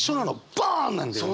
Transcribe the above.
バンなんだよね。